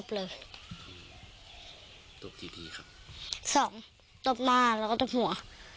ตบกี่ทีครับสองตบหน้าแล้วก็ตบหัว